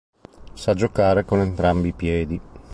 Sa giocare con entrambi i piedi.